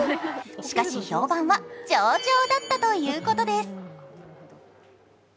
しかし、評判は上々だったということです。